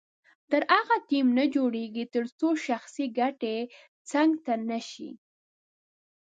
تر هغو ټیم نه جوړیږي تر څو شخصي ګټې څنګ ته نه شي.